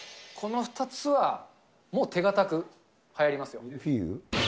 この２つはもう手堅くはやりますよ。